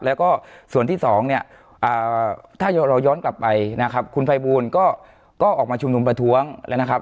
แล้วก็ส่วนที่สองเนี่ยถ้าเราย้อนกลับไปนะครับคุณภัยบูลก็ออกมาชุมนุมประท้วงแล้วนะครับ